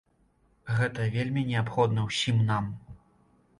Гэта вельмі неабходна ўсім нам.